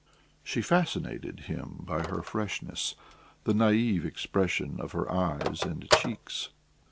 She fascinated him by her freshness, the naïve expression of her eyes and cheeks.